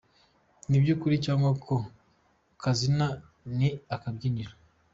Ni iby’ukuri cyangwa ako kazina ni akabyiniriro?